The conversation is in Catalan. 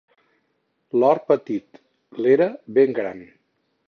L'hort, petit; l'era, ben gran.